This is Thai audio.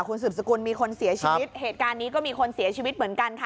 คุณสืบสกุลมีคนเสียชีวิตเหตุการณ์นี้ก็มีคนเสียชีวิตเหมือนกันค่ะ